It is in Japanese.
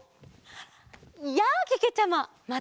やあけけちゃま！